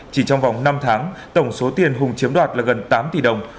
chỉ trong vòng năm tháng tổng số tiền hùng chiếm đoạt là gần tám tỷ đồng